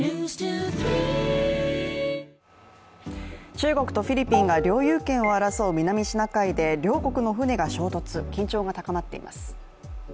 中国とフィリピンが領有権を争う南シナ海で、両国の船が衝突、緊張が高まっています。